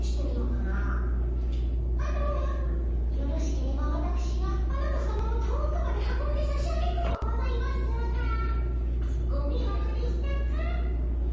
あのよろしければわたくしがあなたさまを遠くまで運んで差し上げとうございますがごめいわくでしたか。